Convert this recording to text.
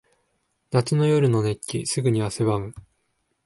夏の夜の熱気。すぐに汗ばむ。